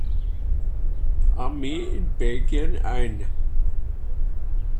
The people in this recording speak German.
Armee in Belgien ein.